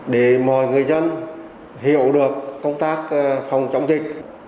để mọi người dân hiểu được công tác phòng chống dịch